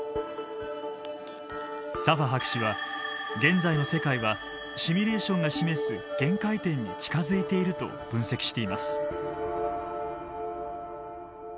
サファ博士は現在の世界はシミュレーションが示す限界点に近づいていると分析しています。